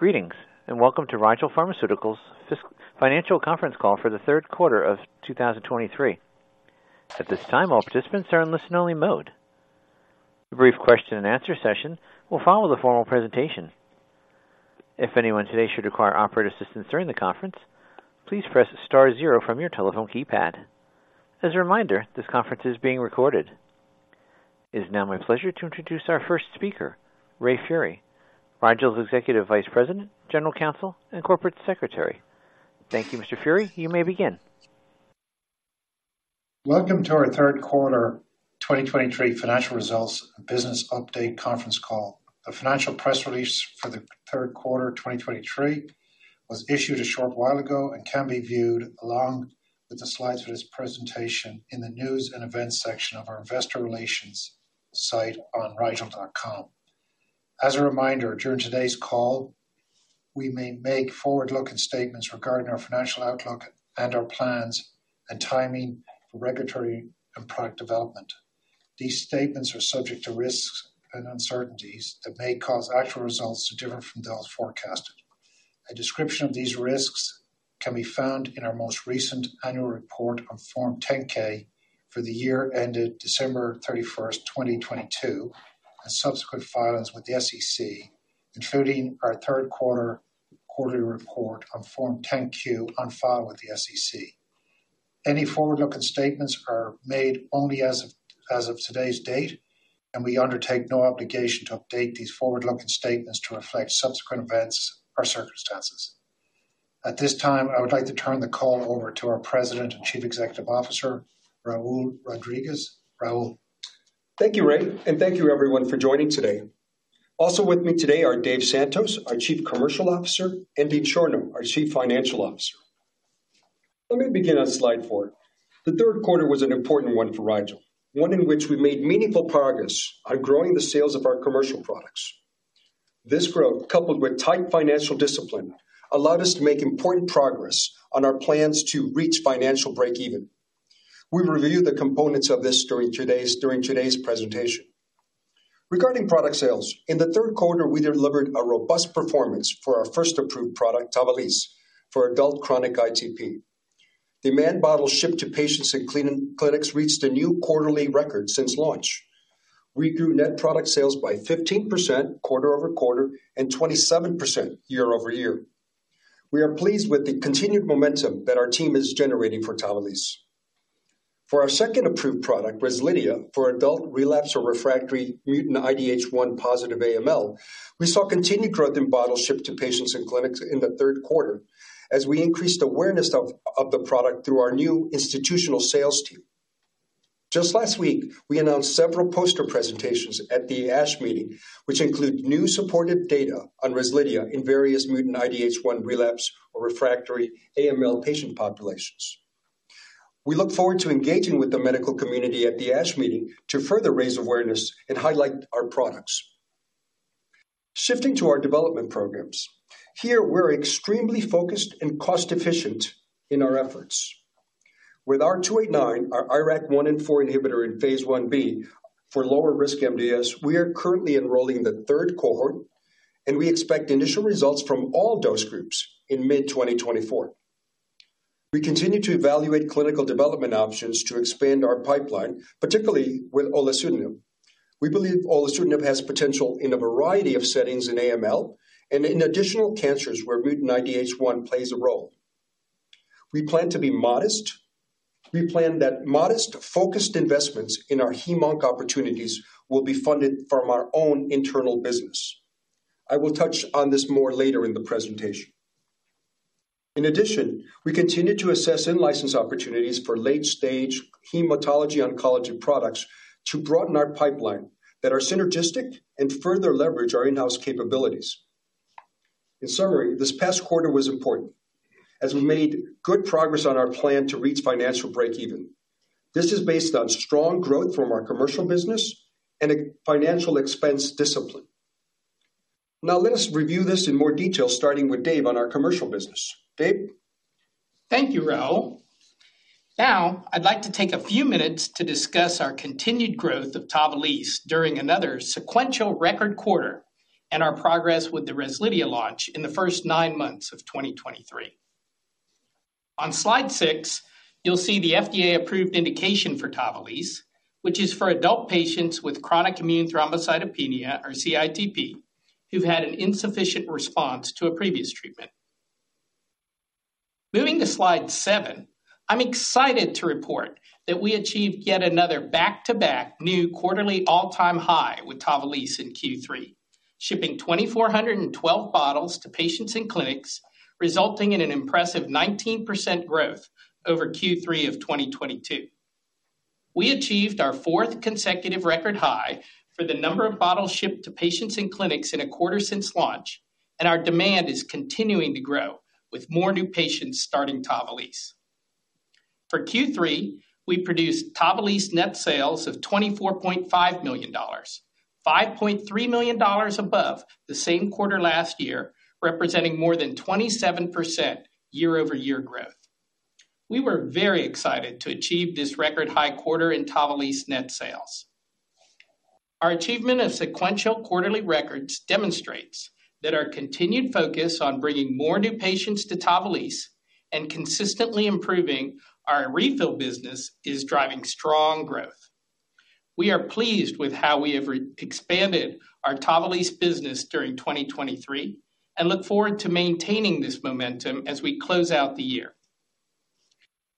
Greetings, and welcome to Rigel Pharmaceuticals Financial Conference Call for the third quarter of 2023. At this time, all participants are in listen-only mode. A brief question and answer session will follow the formal presentation. If anyone today should require operator assistance during the conference, please press star zero from your telephone keypad. As a reminder, this conference is being recorded. It is now my pleasure to introduce our first speaker, Ray Furey, Rigel's Executive Vice President, General Counsel, and Corporate Secretary. Thank you, Mr. Furey. You may begin. Welcome to our third quarter 2023 financial results business update conference call. The financial press release for the third quarter 2023 was issued a short while ago and can be viewed along with the slides for this presentation in the News and Events section of our investor relations site on rigel.com. As a reminder, during today's call, we may make forward-looking statements regarding our financial outlook and our plans and timing for regulatory and product development. These statements are subject to risks and uncertainties that may cause actual results to differ from those forecasted. A description of these risks can be found in our most recent annual report on Form 10-K for the year ended December 31, 2022, and subsequent filings with the SEC, including our third quarter quarterly report on Form 10-Q on file with the SEC. Any forward-looking statements are made only as of, as of today's date, and we undertake no obligation to update these forward-looking statements to reflect subsequent events or circumstances. At this time, I would like to turn the call over to our President and Chief Executive Officer, Raul Rodriguez. Raul? Thank you, Ray, and thank you everyone for joining today. Also with me today are Dave Santos, our Chief Commercial Officer, and Dean Schorno, our Chief Financial Officer. Let me begin on slide 4. The third quarter was an important one for Rigel, one in which we made meaningful progress on growing the sales of our commercial products. This growth, coupled with tight financial discipline, allowed us to make important progress on our plans to reach financial break-even. We'll review the components of this during today's presentation. Regarding product sales, in the third quarter, we delivered a robust performance for our first approved product, Tavalisse, for adult chronic ITP. Demand bottles shipped to patients in clinics reached a new quarterly record since launch. We grew net product sales by 15% quarter-over-quarter and 27% year-over-year. We are pleased with the continued momentum that our team is generating for Tavalisse. For our second approved product, Rezlidhia, for adult HemOnc mutant IDH1 positive AML, we saw continued growth in bottles shipped to patients in clinics in the third quarter as we increased awareness of the product through our new institutional sales team. Just last week, we announced several poster presentations at the ASH Meeting, which include new supportive data on Rezlidhia in various mutant IDH1 HemOnc AML patient populations. We look forward to engaging with the medical community at the ASH Meeting to further raise awareness and highlight our products. Shifting to our development programs. Here, we're extremely focused and cost-efficient in our efforts. With R289, our IRAK1/4 inhibitor in phase 1b for lower-risk MDS, we are currently enrolling the third cohort, and we expect initial results from all dose groups in mid-2024. We continue to evaluate clinical development options to expand our pipeline, particularly with olutasidenib. We believe olutasidenib has potential in a variety of settings in AML and in additional cancers where mutant IDH1 plays a role. We plan to be modest. We plan that modest, focused investments in our HemOnc opportunities will be funded from our own internal business. I will touch on this more later in the presentation. In addition, we continue to assess in-license opportunities for late-stage hematology oncology products to broaden our pipeline that are synergistic and further leverage our in-house capabilities. In summary, this past quarter was important as we made good progress on our plan to reach financial break-even. This is based on strong growth from our commercial business and a financial expense discipline. Now let us review this in more detail, starting with Dave on our commercial business. Dave? Thank you, Raul. Now, I'd like to take a few minutes to discuss our continued growth of Tavalisse during another sequential record quarter and our progress with the Rezlidhia launch in the first 9 months of 2023. On slide 6, you'll see the FDA-approved indication for Tavalisse, which is for adult patients with chronic immune thrombocytopenia, or cITP, who've had an insufficient response to a previous treatment. Moving to slide 7, I'm excited to report that we achieved yet another back-to-back new quarterly all-time high with Tavalisse in Q3, shipping 2,412 bottles to patients in clinics, resulting in an impressive 19% growth over Q3 of 2022. We achieved our fourth consecutive record high for the number of bottles shipped to patients in clinics in a quarter since launch, and our demand is continuing to grow, with more new patients starting Tavalisse. For Q3, we produced Tavalisse net sales of $24.5 million, $5.3 million above the same quarter last year, representing more than 27% year-over-year growth. We were very excited to achieve this record high quarter in Tavalisse net sales.... Our achievement of sequential quarterly records demonstrates that our continued focus on bringing more new patients to Tavalisse and consistently improving our refill business is driving strong growth. We are pleased with how we have re-expanded our Tavalisse business during 2023, and look forward to maintaining this momentum as we close out the year.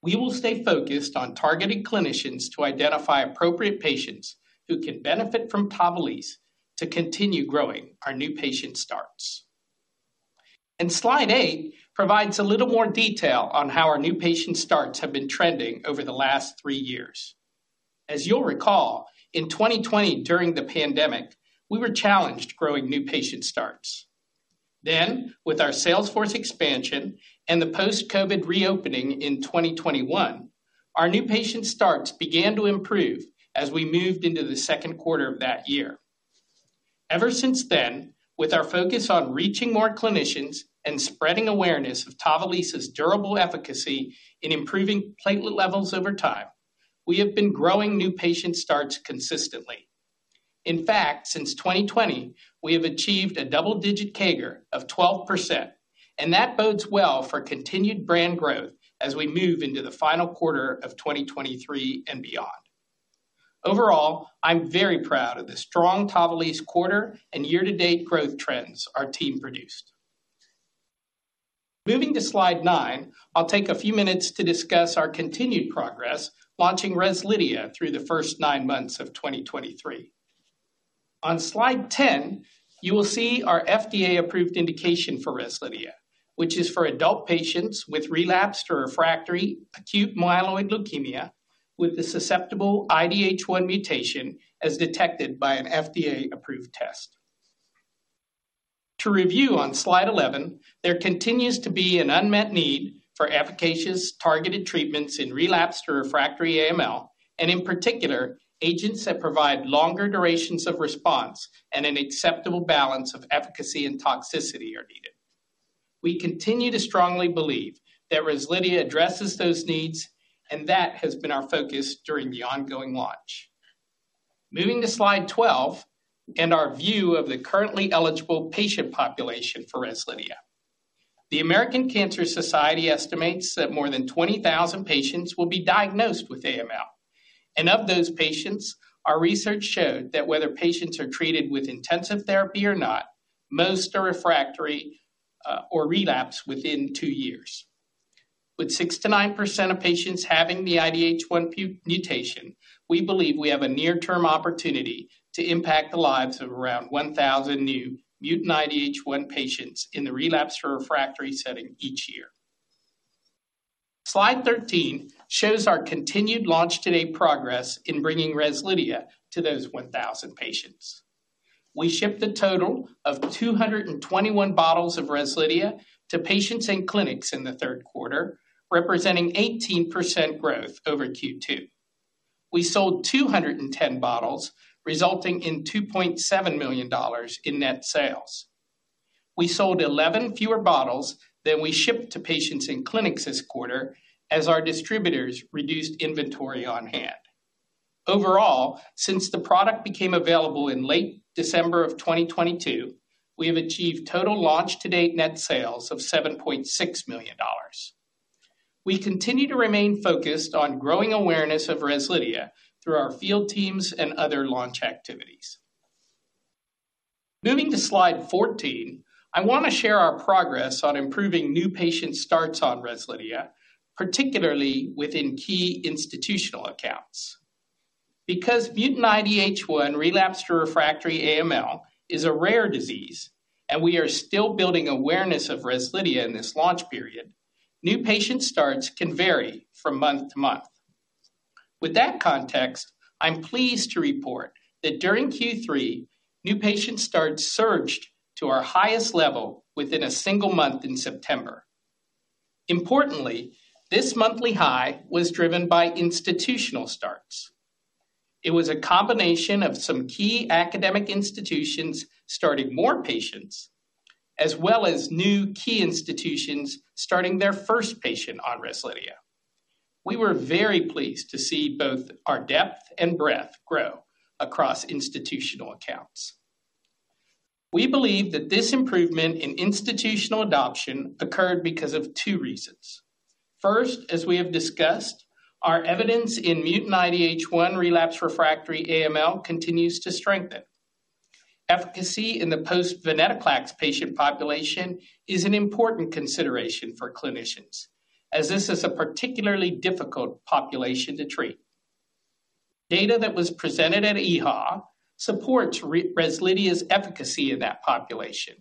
We will stay focused on targeting clinicians to identify appropriate patients who can benefit from Tavalisse to continue growing our new patient starts. Slide 8 provides a little more detail on how our new patient starts have been trending over the last three years. As you'll recall, in 2020, during the pandemic, we were challenged growing new patient starts. Then, with our sales force expansion and the post-COVID reopening in 2021, our new patient starts began to improve as we moved into the second quarter of that year. Ever since then, with our focus on reaching more clinicians and spreading awareness of Tavalisse's durable efficacy in improving platelet levels over time, we have been growing new patient starts consistently. In fact, since 2020, we have achieved a double-digit CAGR of 12%, and that bodes well for continued brand growth as we move into the final quarter of 2023 and beyond. Overall, I'm very proud of the strong Tavalisse quarter and year-to-date growth trends our team produced. Moving to Slide 9, I'll take a few minutes to discuss our continued progress launching Rezlidhia through the first 9 months of 2023. On Slide 10, you will see our FDA-approved indication for Rezlidhia, which is for adult patients with relapsed or refractory acute myeloid leukemia, with the susceptible IDH1 mutation, as detected by an FDA-approved test. To review on Slide 11, there continues to be an unmet need for efficacious targeted treatments in relapsed or refractory AML, and in particular, agents that provide longer durations of response and an acceptable balance of efficacy and toxicity are needed. We continue to strongly believe that Rezlidhia addresses those needs, and that has been our focus during the ongoing launch. Moving to Slide 12, and our view of the currently eligible patient population for Rezlidhia. The American Cancer Society estimates that more than 20,000 patients will be diagnosed with AML. Of those patients, our research showed that whether patients are treated with intensive therapy or not, most are refractory, or relapse within two years. With 6%-9% of patients having the IDH1 mutation, we believe we have a near-term opportunity to impact the lives of around 1,000 new mutant IDH1 patients in the relapsed or refractory setting each year. Slide 13 shows our continued launch today progress in bringing Rezlidhia to those 1,000 patients. We shipped a total of 221 bottles of Rezlidhia to patients and clinics in the third quarter, representing 18% growth over Q2. We sold 210 bottles, resulting in $2.7 million in net sales. We sold 11 fewer bottles than we shipped to patients in clinics this quarter as our distributors reduced inventory on hand. Overall, since the product became available in late December of 2022, we have achieved total launch to date net sales of $7.6 million. We continue to remain focused on growing awareness of Rezlidhia through our field teams and other launch activities. Moving to Slide 14, I want to share our progress on improving new patient starts on Rezlidhia, particularly within key institutional accounts. Because mutant IDH1 relapsed or refractory AML is a rare disease, and we are still building awareness of Rezlidhia in this launch period, new patient starts can vary from month to month. With that context, I'm pleased to report that during Q3, new patient starts surged to our highest level within a single month in September. Importantly, this monthly high was driven by institutional starts. It was a combination of some key academic institutions starting more patients, as well as new key institutions starting their first patient on Rezlidhia. We were very pleased to see both our depth and breadth grow across institutional accounts. We believe that this improvement in institutional adoption occurred because of two reasons. First, as we have discussed, our evidence in mutant IDH1 relapsed refractory AML continues to strengthen. Efficacy in the post-venetoclax patient population is an important consideration for clinicians, as this is a particularly difficult population to treat. Data that was presented at EHA supports Rezlidhia's efficacy in that population,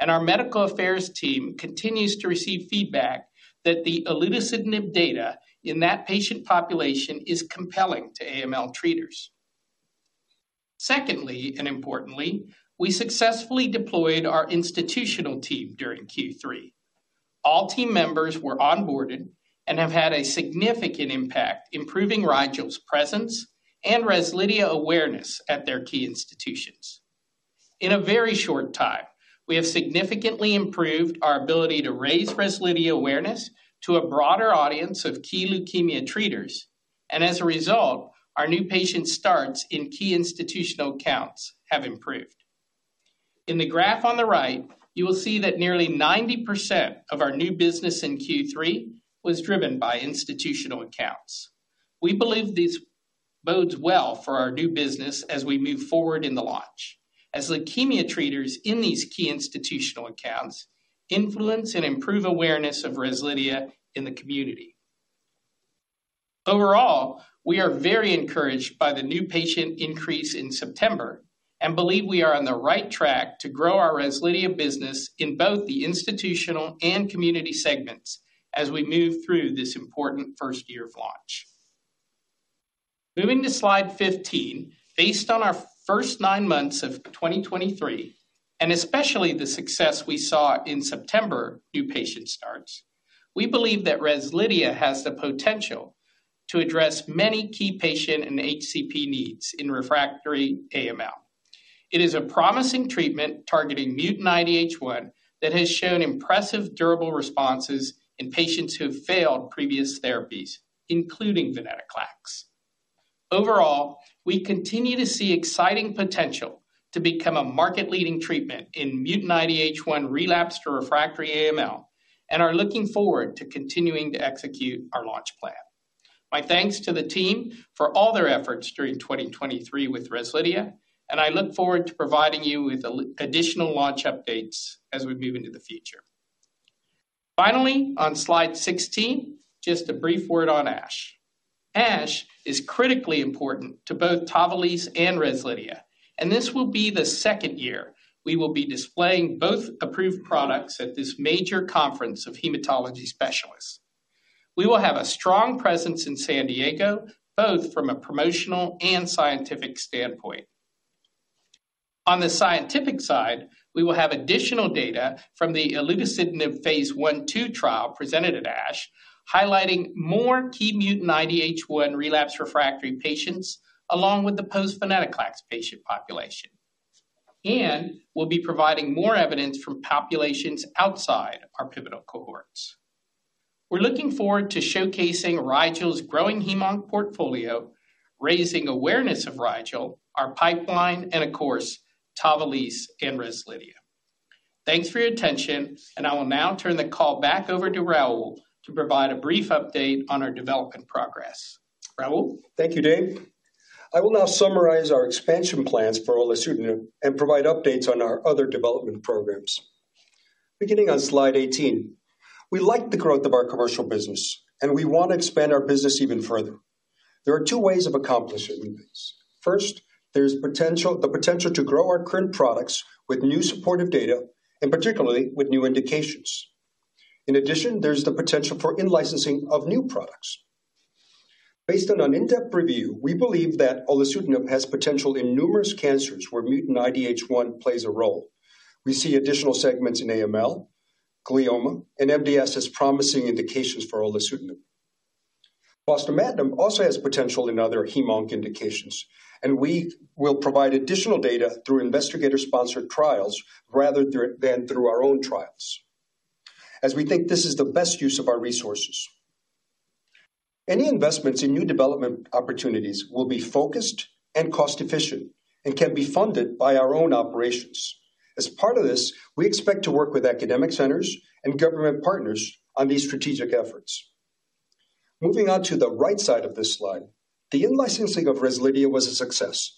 and our medical affairs team continues to receive feedback that the olutasidenib data in that patient population is compelling to AML treaters. Secondly, and importantly, we successfully deployed our institutional team during Q3. All team members were onboarded and have had a significant impact, improving Rigel's presence and Rezlidhia awareness at their key institutions. In a very short time, we have significantly improved our ability to raise Rezlidhia awareness to a broader audience of key leukemia treaters, and as a result, our new patient starts in key institutional accounts have improved. In the graph on the right, you will see that nearly 90% of our new business in Q3 was driven by institutional accounts. We believe this bodes well for our new business as we move forward in the launch, as leukemia treaters in these key institutional accounts influence and improve awareness of Rezlidhia in the community. Overall, we are very encouraged by the new patient increase in September, and believe we are on the right track to grow our Rezlidhia business in both the institutional and community segments as we move through this important first year of launch. Moving to slide 15, based on our first nine months of 2023, and especially the success we saw in September, new patient starts, we believe that Rezlidhia has the potential to address many key patient and HCP needs in refractory AML. It is a promising treatment targeting mutant IDH1 that has shown impressive durable responses in patients who have failed previous therapies, including venetoclax. Overall, we continue to see exciting potential to become a market-leading treatment in mutant IDH1 relapsed refractory AML, and are looking forward to continuing to execute our launch plan. My thanks to the team for all their efforts during 2023 with Rezlidhia, and I look forward to providing you with additional launch updates as we move into the future. Finally, on slide 16, just a brief word on ASH. ASH is critically important to both Tavalisse and Rezlidhia, and this will be the second year we will be displaying both approved products at this major conference of hematology specialists. We will have a strong presence in San Diego, both from a promotional and scientific standpoint. On the scientific side, we will have additional data from the olutasidenib phase 1/2 trial presented at ASH, highlighting more key mutant IDH1 relapse refractory patients, along with the post-venetoclax patient population. We'll be providing more evidence from populations outside our pivotal cohorts. We're looking forward to showcasing Rigel's growing HemOnc portfolio, raising awareness of Rigel, our pipeline, and of course, Tavalisse and Rezlidhia. Thanks for your attention, and I will now turn the call back over to Raul to provide a brief update on our development progress. Raul? Thank you, Dave. I will now summarize our expansion plans for olutasidenib and provide updates on our other development programs. Beginning on slide 18. We like the growth of our commercial business, and we want to expand our business even further. There are two ways of accomplishing this. First, there's the potential to grow our current products with new supportive data, and particularly with new indications. In addition, there's the potential for in-licensing of new products. Based on an in-depth review, we believe that olutasidenib has potential in numerous cancers where mutant IDH1 plays a role. We see additional segments in AML, glioma, and MDS as promising indications for olutasidenib. Fostamatinib also has potential in other HemOnc indications, and we will provide additional data through investigator-sponsored trials rather than through our own trials, as we think this is the best use of our resources. Any investments in new development opportunities will be focused and cost-efficient and can be funded by our own operations. As part of this, we expect to work with academic centers and government partners on these strategic efforts. Moving on to the right side of this slide, the in-licensing of Rezlidhia was a success,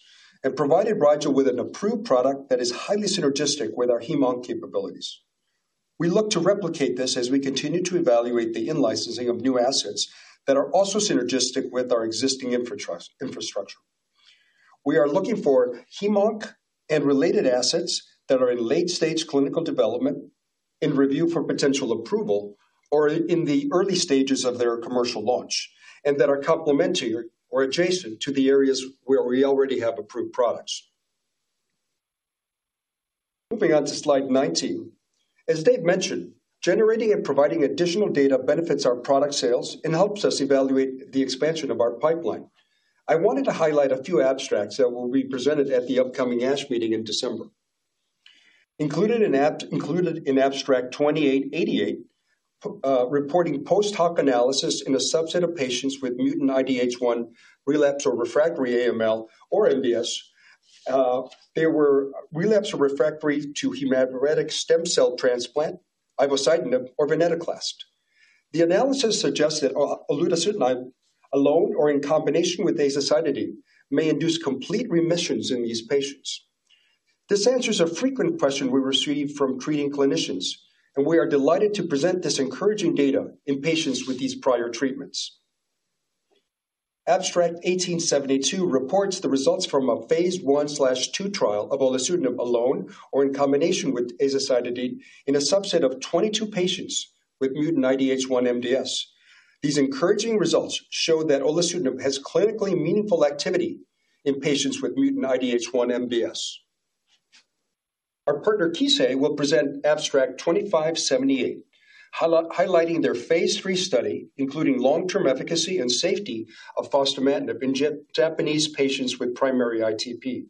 and provided Rigel with an approved product that is highly synergistic with our HemOnc capabilities. We look to replicate this as we continue to evaluate the in-licensing of new assets that are also synergistic with our existing infrastructure. We are looking for HemOnc and related assets that are in late-stage clinical development, in review for potential approval, or in the early stages of their commercial launch, and that are complementary or adjacent to the areas where we already have approved products. Moving on to slide 19. As Dave mentioned, generating and providing additional data benefits our product sales and helps us evaluate the expansion of our pipeline. I wanted to highlight a few abstracts that will be presented at the upcoming ASH meeting in December. Included in Abstract 2888, reporting post-hoc analysis in a subset of patients with mutant IDH1 relapse or refractory AML or MDS. They were relapse or refractory to hematopoietic stem cell transplant, azacitidine, or venetoclax. The analysis suggests that olutasidenib alone or in combination with azacitidine may induce complete remissions in these patients. This answers a frequent question we receive from treating clinicians, and we are delighted to present this encouraging data in patients with these prior treatments. Abstract 1872 reports the results from a phase 1/2 trial of olutasidenib alone or in combination with azacitidine in a subset of 22 patients with mutant IDH1 MDS. These encouraging results show that olutasidenib has clinically meaningful activity in patients with mutant IDH1 MDS. Our partner, Kissei, will present abstract 2578, highlighting their phase 3 study, including long-term efficacy and safety of fostamatinib in Japanese patients with primary ITP.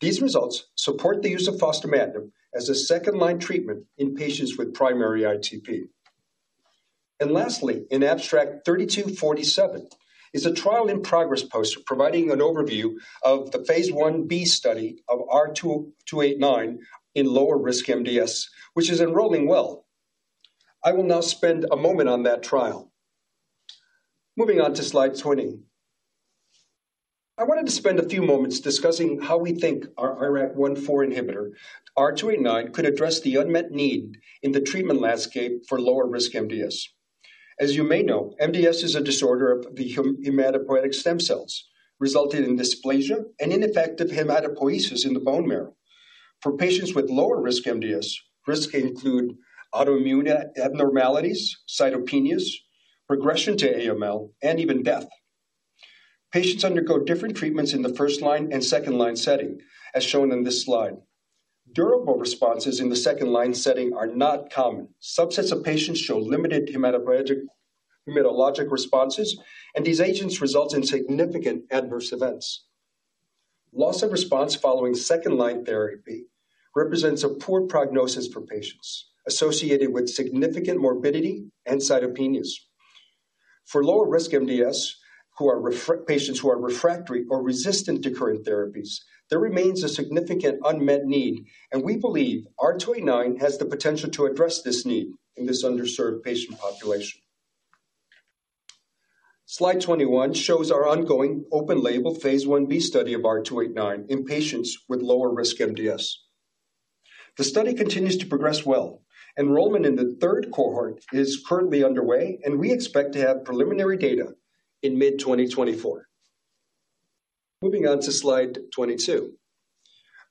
These results support the use of fostamatinib as a second-line treatment in patients with primary ITP. Lastly, in abstract 3247, is a trial in progress poster providing an overview of the phase 1b study of R289 in lower risk MDS, which is enrolling well. I will now spend a moment on that trial. Moving on to slide 20. I wanted to spend a few moments discussing how we think our IRAK1/4 inhibitor, R289, could address the unmet need in the treatment landscape for lower risk MDS. As you may know, MDS is a disorder of the hematopoietic stem cells, resulting in dysplasia and ineffective hematopoiesis in the bone marrow. For patients with lower risk MDS, risks include autoimmune abnormalities, cytopenias, regression to AML, and even death. Patients undergo different treatments in the first-line and second-line setting, as shown in this slide. Durable responses in the second-line setting are not common. Subsets of patients show limited hematologic responses, and these agents result in significant adverse events. Loss of response following second-line therapy represents a poor prognosis for patients associated with significant morbidity and cytopenias. For lower-risk MDS patients who are refractory or resistant to current therapies, there remains a significant unmet need, and we believe R289 has the potential to address this need in this underserved patient population. Slide 21 shows our ongoing open-label phase 1b study of R289 in patients with lower-risk MDS. The study continues to progress well. Enrollment in the third cohort is currently underway, and we expect to have preliminary data in mid-2024. Moving on to Slide 22.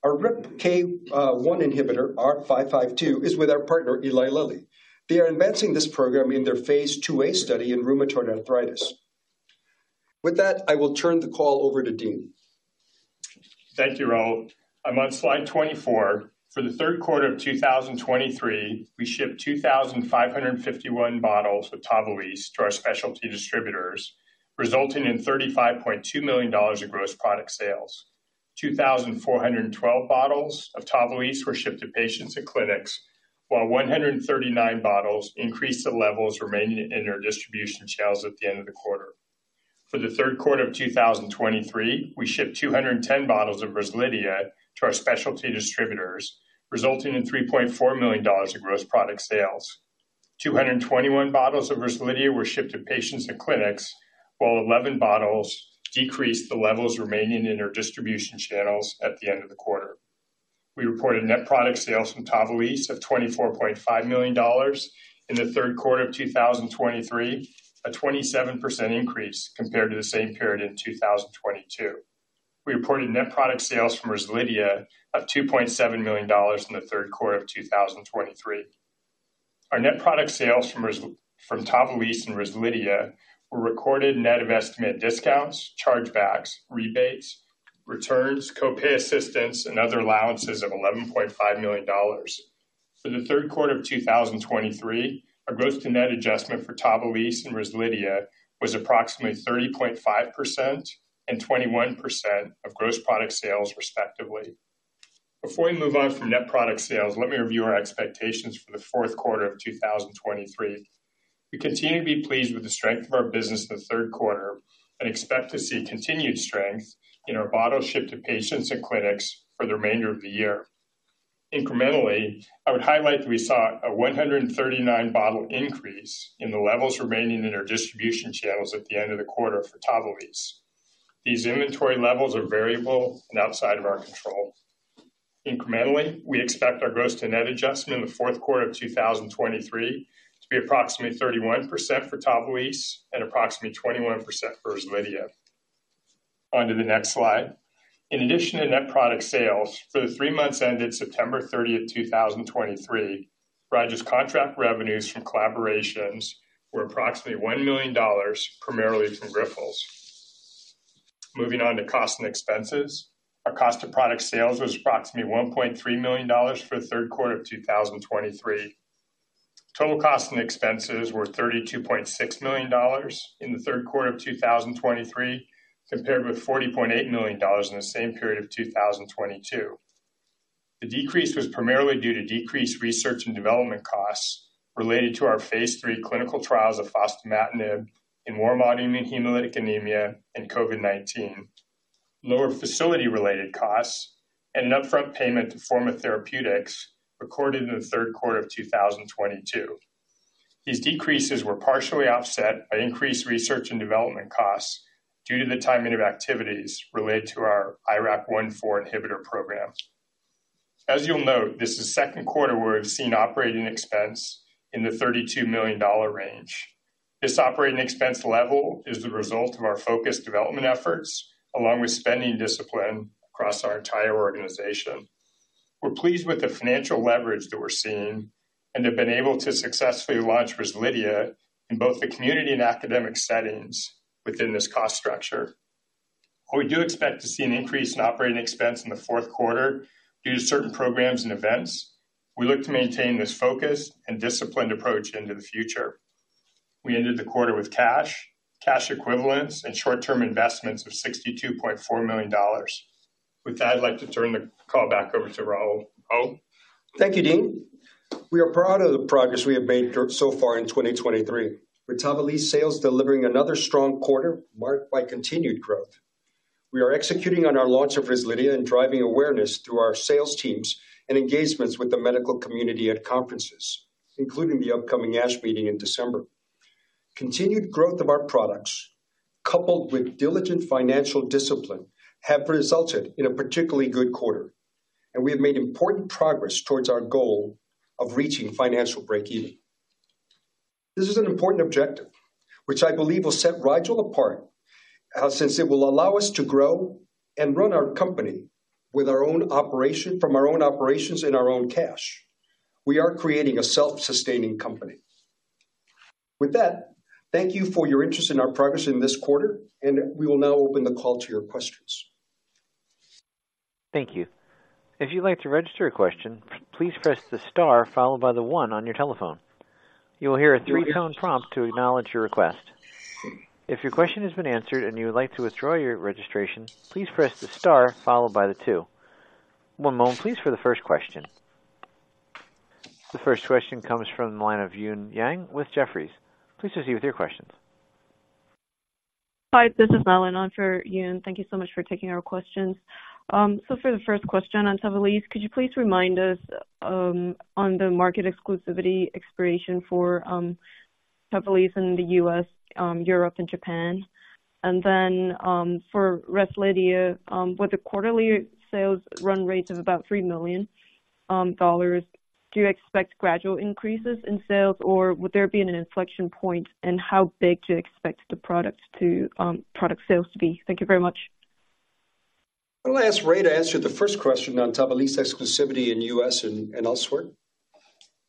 Our RIPK1 inhibitor, R552, is with our partner, Eli Lilly. They are advancing this program in their phase 2a study in rheumatoid arthritis. With that, I will turn the call over to Dean. Thank you, Raul. I'm on slide 24. For the third quarter of 2023, we shipped 2,051 bottles of Tavalisse to our specialty distributors, resulting in $35.2 million of gross product sales. 2,412 bottles of Tavalisse were shipped to patients and clinics, while 139 bottles increased the levels remaining in their distribution channels at the end of the quarter. For the third quarter of 2023, we shipped 210 bottles of Rezlidhia to our specialty distributors, resulting in $3.4 million of gross product sales. 221 bottles of Rezlidhia were shipped to patients and clinics, while 11 bottles decreased the levels remaining in our distribution channels at the end of the quarter. We reported net product sales from Tavalisse of $24.5 million in the third quarter of 2023, a 27% increase compared to the same period in 2022. We reported net product sales from Rezlidhia of $2.7 million in the third quarter of 2023. Our net product sales from Tavalisse and Rezlidhia were recorded net of estimated discounts, chargebacks, rebates, returns, co-pay assistance, and other allowances of $11.5 million. For the third quarter of 2023, our gross to net adjustment for Tavalisse and Rezlidhia was approximately 30.5% and 21% of gross product sales, respectively. Before we move on from net product sales, let me review our expectations for the fourth quarter of 2023. We continue to be pleased with the strength of our business in the third quarter and expect to see continued strength in our bottles shipped to patients and clinics for the remainder of the year. Incrementally, I would highlight that we saw a 139-bottle increase in the levels remaining in our distribution channels at the end of the quarter for Tavalisse. These inventory levels are variable and outside of our control. Incrementally, we expect our gross-to-net adjustment in the fourth quarter of 2023 to be approximately 31% for Tavalisse and approximately 21% for Rezlidhia. On to the next slide. In addition to net product sales, for the three months ended September 30, 2023, Rigel's contract revenues from collaborations were approximately $1 million, primarily from Grifols. Moving on to costs and expenses. Our cost of product sales was approximately $1.3 million for the third quarter of 2023. Total costs and expenses were $32.6 million in the third quarter of 2023, compared with $40.8 million in the same period of 2022. The decrease was primarily due to decreased research and development costs related to our phase 3 clinical trials of fostamatinib in warm autoimmune hemolytic anemia and COVID-19, lower facility-related costs, and an upfront payment to Forma Therapeutics recorded in the third quarter of 2022. These decreases were partially offset by increased research and development costs due to the timing of activities related to our IRAK1/4 inhibitor program. As you'll note, this is the second quarter where we've seen operating expense in the $32 million range. This operating expense level is the result of our focused development efforts, along with spending discipline across our entire organization. We're pleased with the financial leverage that we're seeing and have been able to successfully launch Rezlidhia in both the community and academic settings within this cost structure.... We do expect to see an increase in operating expense in the fourth quarter due to certain programs and events. We look to maintain this focus and disciplined approach into the future. We ended the quarter with cash, cash equivalents, and short-term investments of $62.4 million. With that, I'd like to turn the call back over to Raul. Raul? Thank you, Dean. We are proud of the progress we have made so far in 2023, with Tavalisse sales delivering another strong quarter marked by continued growth. We are executing on our launch of Rezlidhia and driving awareness through our sales teams and engagements with the medical community at conferences, including the upcoming ASH meeting in December. Continued growth of our products, coupled with diligent financial discipline, have resulted in a particularly good quarter, and we have made important progress towards our goal of reaching financial breakeven. This is an important objective, which I believe will set Rigel apart, since it will allow us to grow and run our company from our own operations and our own cash. We are creating a self-sustaining company. With that, thank you for your interest in our progress in this quarter, and we will now open the call to your questions. Thank you. If you'd like to register a question, please press the star followed by 1 on your telephone. You will hear a 3-tone prompt to acknowledge your request. If your question has been answered and you would like to withdraw your registration, please press the star followed by 2. One moment, please, for the first question. The first question comes from the line of Yun Zhong with Jefferies. Please proceed with your questions. Hi, this is Melanie on for Yun. Thank you so much for taking our questions. So for the first question on Tavalisse, could you please remind us, on the market exclusivity expiration for Tavalisse in the US, Europe, and Japan? And then, for Rezlidhia, with the quarterly sales run rates of about $3 million, do you expect gradual increases in sales, or would there be an inflection point, and how big do you expect the products to, product sales to be? Thank you very much. I'll ask Ray to answer the first question on Tavalisse exclusivity in U.S. and elsewhere.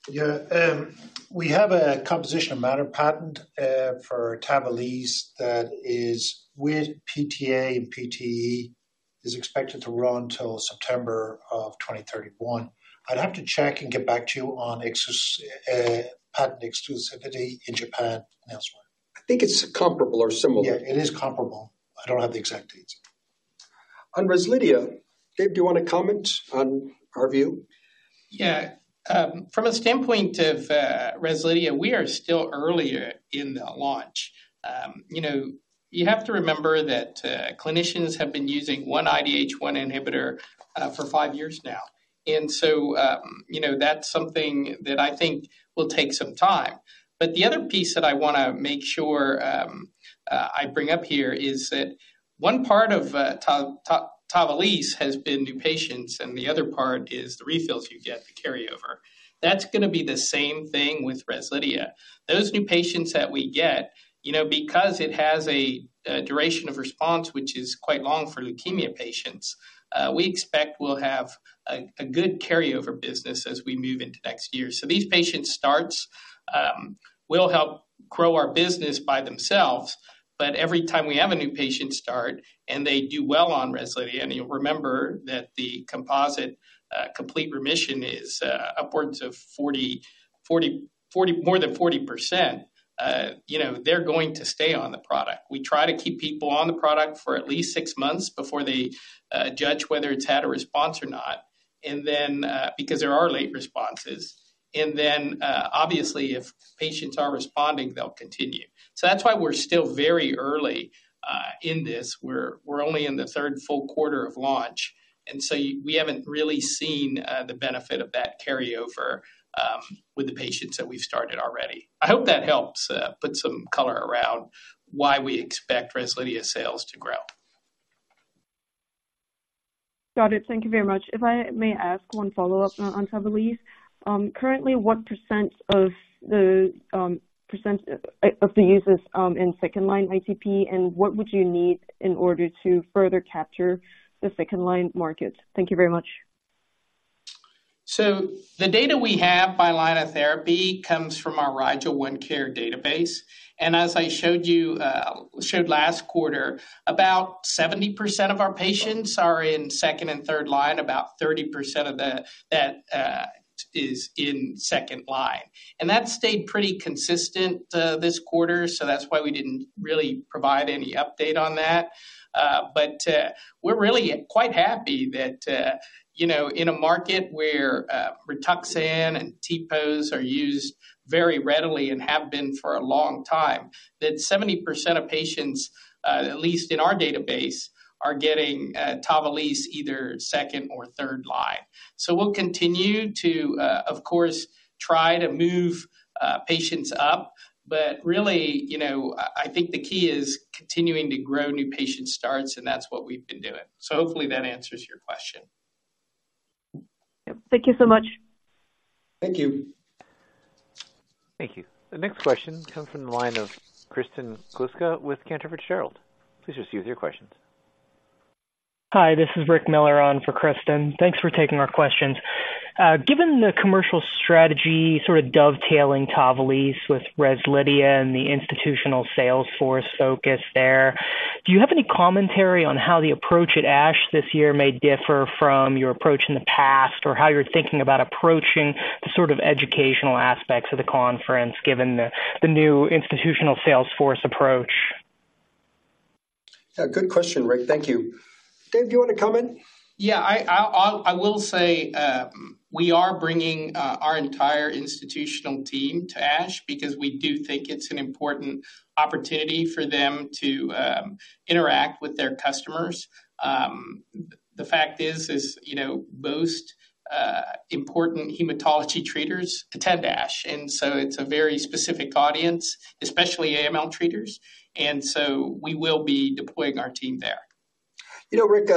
Yeah, we have a composition-of-matter patent for Tavalisse that is with PTA and PTE, is expected to run till September of 2031. I'd have to check and get back to you on patent exclusivity in Japan and elsewhere. I think it's comparable or similar. Yeah, it is comparable. I don't have the exact dates. On Rezlidhia, Dave, do you want to comment on our view? Yeah, from a standpoint of, Rezlidhia, we are still earlier in the launch. You know, you have to remember that, clinicians have been using one IDH1 inhibitor, for five years now. And so, you know, that's something that I think will take some time. But the other piece that I want to make sure, I bring up here is that one part of, Tavalisse has been new patients, and the other part is the refills you get, the carryover. That's going to be the same thing with Rezlidhia. Those new patients that we get, you know, because it has a duration of response, which is quite long for leukemia patients, we expect we'll have a good carryover business as we move into next year. These patient starts will help grow our business by themselves, but every time we have a new patient start and they do well on Rezlidhia, and you'll remember that the composite complete remission is upwards of more than 40%, you know, they're going to stay on the product. We try to keep people on the product for at least six months before they judge whether it's had a response or not, and then, because there are late responses, and then, obviously, if patients are responding, they'll continue. So that's why we're still very early in this. We're only in the third full quarter of launch, and so we haven't really seen the benefit of that carryover with the patients that we've started already. I hope that helps, put some color around why we expect Rezlidhia sales to grow. Got it. Thank you very much. If I may ask one follow-up on Tavalisse. Currently, what percent of the users in second-line ITP, and what would you need in order to further capture the second-line markets? Thank you very much. So the data we have by line of therapy comes from our Rigel OneCare database. And as I showed you, showed last quarter, about 70% of our patients are in second and third line, about 30% of that is in second line. And that stayed pretty consistent, this quarter, so that's why we didn't really provide any update on that. But, we're really quite happy that, you know, in a market where, Rituxan and TPOs are used very readily and have been for a long time, that 70% of patients, at least in our database, are getting, Tavalisse either second or third line. We'll continue to, of course, try to move patients up, but really, you know, I, I think the key is continuing to grow new patient starts, and that's what we've been doing. So hopefully that answers your question. Yep. Thank you so much. Thank you. Thank you. The next question comes from the line of Kristen Kluska with Cantor Fitzgerald. Please proceed with your questions. Hi, this is Rick Miller on for Kristen. Thanks for taking our questions. Given the commercial strategy sort of dovetailing Tavalisse with Rezlidhia and the institutional sales force focus there, do you have any commentary on how the approach at ASH this year may differ from your approach in the past? Or how you're thinking about approaching the sort of educational aspects of the conference, given the new institutional sales force approach? Yeah, good question, Rick. Thank you. Dave, do you want to come in? Yeah, I will say, we are bringing our entire institutional team to ASH because we do think it's an important opportunity for them to interact with their customers. The fact is, you know, most important hematology treaters attend ASH, and so it's a very specific audience, especially AML treaters, and so we will be deploying our team there. You know, Rick,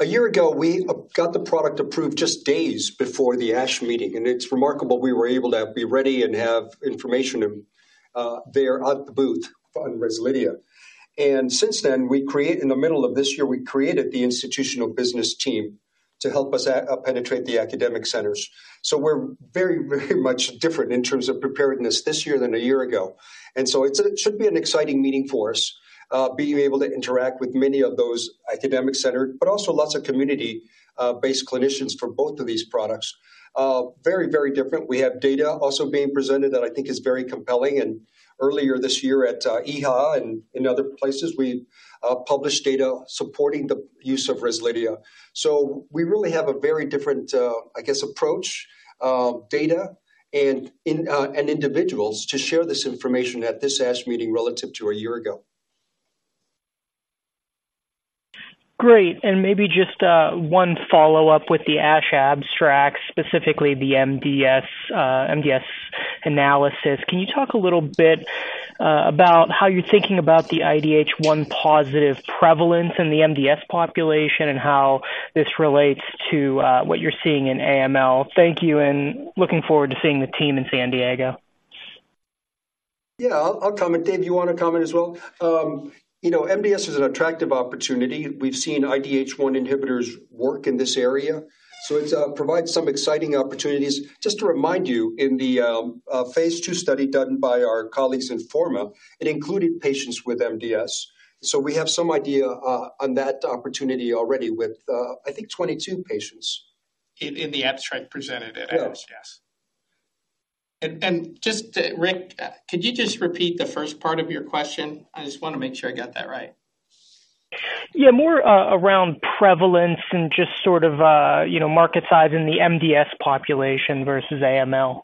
a year ago, we got the product approved just days before the ASH meeting, and it's remarkable we were able to be ready and have information there at the booth on Rezlidhia. And since then, in the middle of this year, we created the institutional business team to help us penetrate the academic centers. So we're very, very much different in terms of preparedness this year than a year ago. And so it should be an exciting meeting for us, being able to interact with many of those academic centers, but also lots of community based clinicians for both of these products. Very, very different. We have data also being presented that I think is very compelling, and earlier this year at EHA and in other places, we published data supporting the use of Rezlidhia. So we really have a very different, I guess, approach, data and in, and individuals to share this information at this ASH meeting relative to a year ago. Great, and maybe just one follow-up with the ASH abstract, specifically the MDS analysis. Can you talk a little bit about how you're thinking about the IDH1 positive prevalence in the MDS population and how this relates to what you're seeing in AML? Thank you, and looking forward to seeing the team in San Diego. Yeah, I'll comment. Dave, you want to comment as well? You know, MDS is an attractive opportunity. We've seen IDH1 inhibitors work in this area, so it provides some exciting opportunities. Just to remind you, in the phase 2 study done by our colleagues in Forma, it included patients with MDS. So we have some idea on that opportunity already with, I think 22 patients. In the abstract presented at ASH, yes. Yeah. Just, Rick, could you just repeat the first part of your question? I just want to make sure I got that right. Yeah, more around prevalence and just sort of, you know, market size in the MDS population versus AML.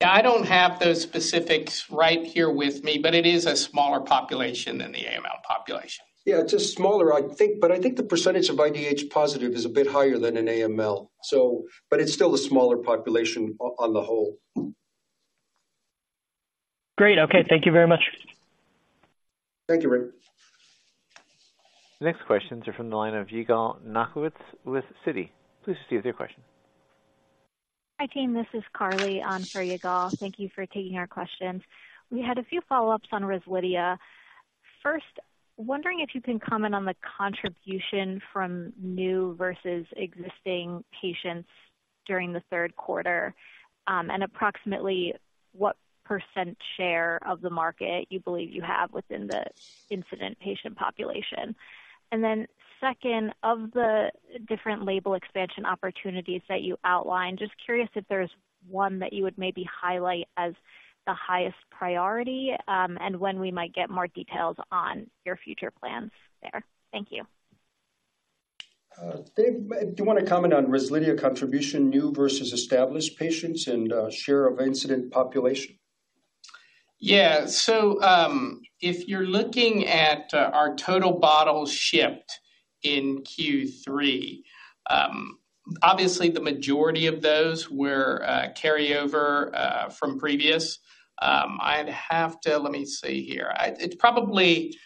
Yeah, I don't have those specifics right here with me, but it is a smaller population than the AML population. Yeah, it's a smaller, I think, but I think the percentage of IDH positive is a bit higher than in AML. So... but it's still a smaller population on the whole. Great. Okay, thank you very much. Thank you, Rick. Next questions are from the line of Yigal Nochomovitz with Citi. Please proceed with your question. Hi, team, this is Carly on for Yigal. Thank you for taking our questions. We had a few follow-ups on Rezlidhia. First, wondering if you can comment on the contribution from new versus existing patients during the third quarter, and approximately what % share of the market you believe you have within the indicated patient population. Then second, of the different label expansion opportunities that you outlined, just curious if there's one that you would maybe highlight as the highest priority, and when we might get more details on your future plans there. Thank you. Dave, do you want to comment on Rezlidhia contribution, new versus established patients and share of incident population? Yeah. So, if you're looking at our total bottles shipped in Q3, obviously, the majority of those were carryover from previous. I'd have to... Let me see here. It's probably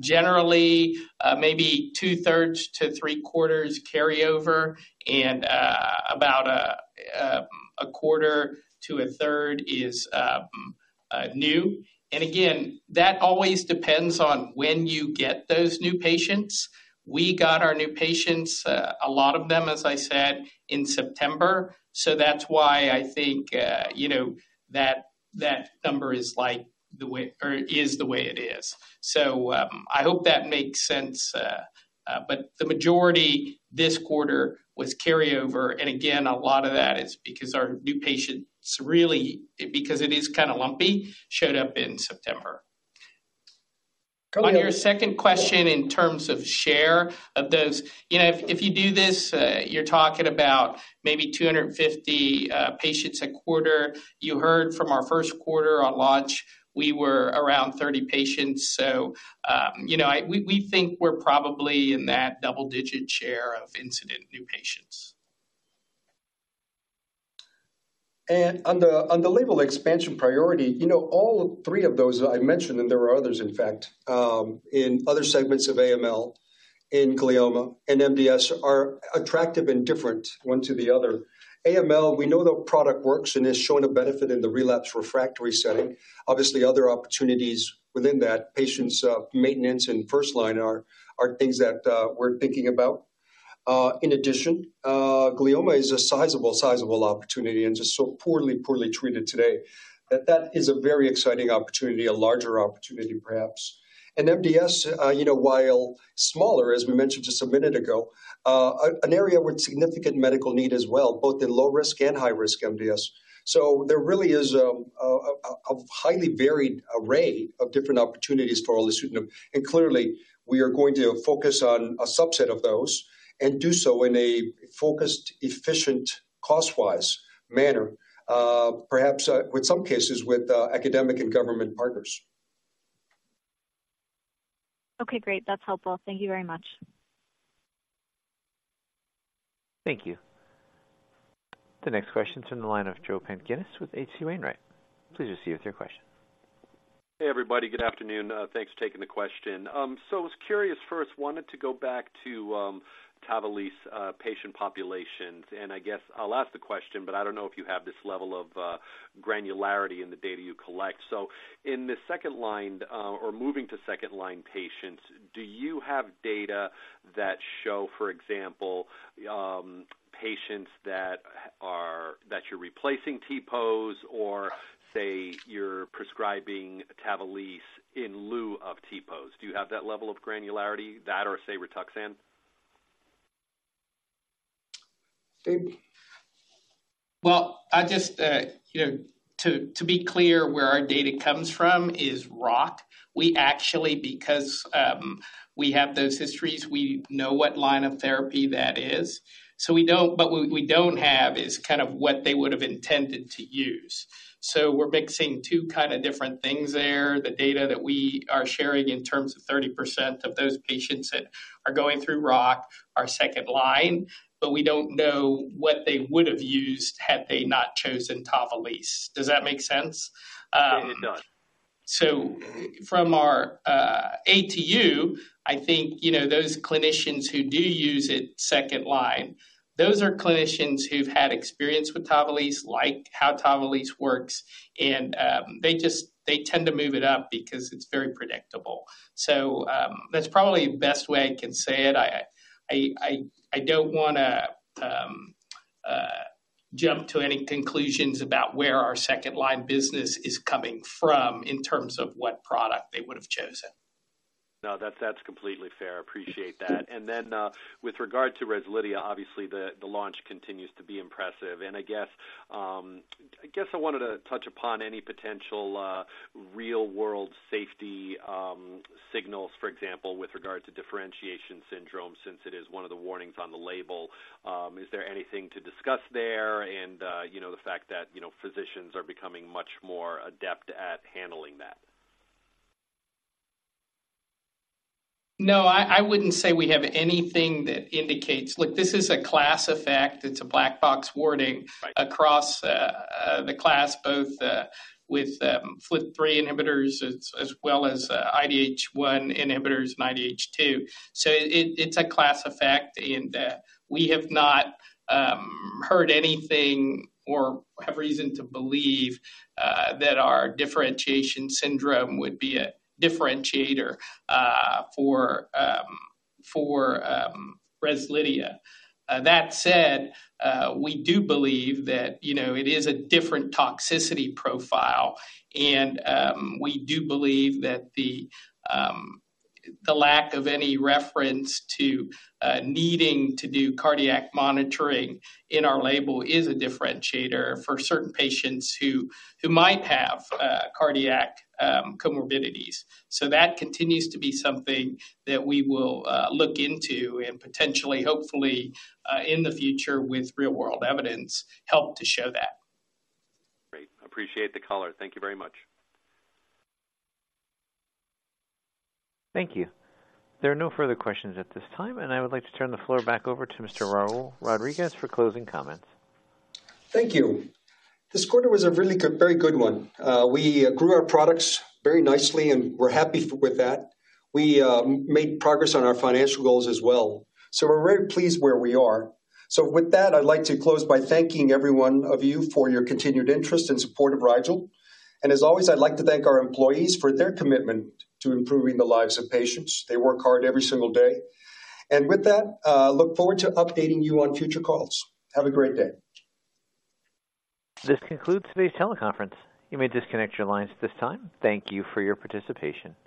generally maybe two-thirds to three-quarters carryover and about a quarter to a third is new. And again, that always depends on when you get those new patients. We got our new patients, a lot of them, as I said, in September, so that's why I think, you know, that, that number is like, the way or is the way it is. So, I hope that makes sense, but the majority this quarter was carryover, and again, a lot of that is because our new patients, really, because it is kind of lumpy, showed up in September. carryover- On your second question, in terms of share of those, you know, if you do this, you're talking about maybe 250 patients a quarter. You heard from our first quarter on launch, we were around 30 patients. So, you know, we think we're probably in that double-digit share of incident new patients. ... On the label expansion priority, you know, all of three of those I mentioned, and there are others, in fact, in other segments of AML, in glioma and MDS, are attractive and different, one to the other. AML, we know the product works and is showing a benefit in the relapse refractory setting. Obviously, other opportunities within that, patients, maintenance and first-line are things that we're thinking about. In addition, glioma is a sizable opportunity and just so poorly treated today, that is a very exciting opportunity, a larger opportunity, perhaps. And MDS, you know, while smaller, as we mentioned just a minute ago, an area with significant medical need as well, both in low risk and high risk MDS. So there really is a highly varied array of different opportunities for olutasidenib. And clearly, we are going to focus on a subset of those and do so in a focused, efficient, cost-wise manner, perhaps in some cases with academic and government partners. Okay, great. That's helpful. Thank you very much. Thank you. The next question is from the line of Joe Pantginis with H.C. Wainwright. Please proceed with your question. Hey, everybody. Good afternoon. Thanks for taking the question. So I was curious, first, wanted to go back to Tavalisse, patient populations, and I guess I'll ask the question, but I don't know if you have this level of granularity in the data you collect. So in the second line, or moving to second line patients, do you have data that show, for example, patients that you're replacing TPOs, or say you're prescribing Tavalisse in lieu of TPOs? Do you have that level of granularity, that or, say, Rituxan? Dave? Well, I just, you know, to, to be clear, where our data comes from is ROC. We actually, because, we have those histories, we know what line of therapy that is. So we don't... But what we don't have is kind of what they would have intended to use. So we're mixing two kind of different things there. The data that we are sharing in terms of 30% of those patients that are going through ROC are second line, but we don't know what they would have used had they not chosen Tavalisse. Does that make sense? It does. So from our ATU, I think, you know, those clinicians who do use it second line, those are clinicians who've had experience with Tavalisse, like how Tavalisse works, and they just, they tend to move it up because it's very predictable. So that's probably the best way I can say it. I don't wanna jump to any conclusions about where our second line business is coming from in terms of what product they would have chosen. No, that's, that's completely fair. Appreciate that. And then, with regard to Rezlidhia, obviously the launch continues to be impressive. And I guess, I guess I wanted to touch upon any potential real-world safety signals, for example, with regard to differentiation syndrome, since it is one of the warnings on the label. Is there anything to discuss there? And, you know, the fact that, you know, physicians are becoming much more adept at handling that. No, I, I wouldn't say we have anything that indicates... Look, this is a class effect. It's a black box warning- Right. - across the class, both with FLT3 inhibitors as well as IDH1 inhibitors and IDH2. So it's a class effect, and we have not heard anything or have reason to believe that our differentiation syndrome would be a differentiator for Rezlidhia. That said, we do believe that, you know, it is a different toxicity profile, and we do believe that the lack of any reference to needing to do cardiac monitoring in our label is a differentiator for certain patients who might have cardiac comorbidities. So that continues to be something that we will look into and potentially, hopefully, in the future, with real-world evidence, help to show that. Great. Appreciate the color. Thank you very much. Thank you. There are no further questions at this time, and I would like to turn the floor back over to Mr. Raul Rodriguez for closing comments. Thank you. This quarter was a really good, very good one. We grew our products very nicely, and we're happy with that. We made progress on our financial goals as well, so we're very pleased where we are. So with that, I'd like to close by thanking everyone of you for your continued interest and support of Rigel. And as always, I'd like to thank our employees for their commitment to improving the lives of patients. They work hard every single day. And with that, look forward to updating you on future calls. Have a great day. This concludes today's teleconference. You may disconnect your lines at this time. Thank you for your participation.